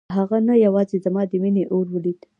هغه نه یوازې زما د مينې اور ولید.